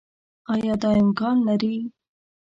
آيا دا امکان لري